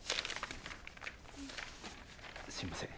すみません。